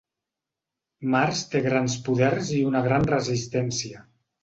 Mars té grans poders i una gran resistència.